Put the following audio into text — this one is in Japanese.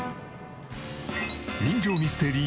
人情ミステリー